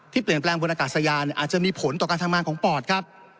เปลี่ยนแปลงบนอากาศยานอาจจะมีผลต่อการทำงานของปอดครับ